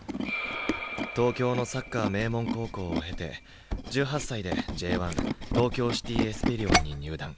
東京のサッカー名門高校を経て１８歳でＪ１東京シティ・エスペリオンに入団。